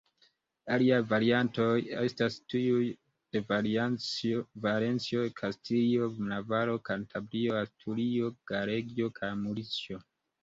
Aliaj variantoj estas tiuj de Valencio, Kastilio, Navaro, Kantabrio, Asturio, Galegio kaj Murcio.